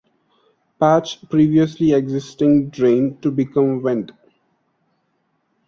Patch previously existing drain to become vent.